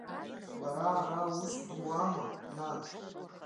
Бара ара аус буама, нан?